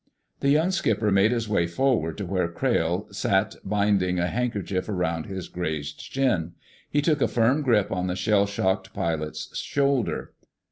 The young skipper made his way forward to where Crayle sat binding a handkerchief around his grazed shin. He took a firm grip on the shell shocked pilot's shoulder.